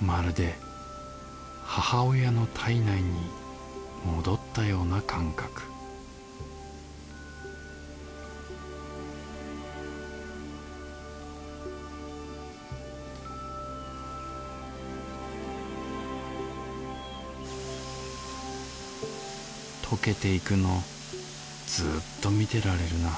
まるで母親の胎内に戻ったような感覚溶けていくのずっと見てられるな